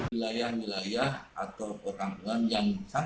wilayah wilayah atau perangkulan yang sangat